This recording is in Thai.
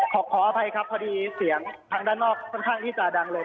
ขออภัยครับพอดีเสียงทางด้านนอกค่อนข้างที่จะดังเลย